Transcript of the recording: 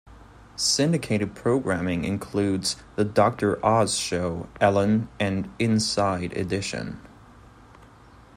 Syndicated programming includes "The Doctor Oz Show", "Ellen", and "Inside Edition".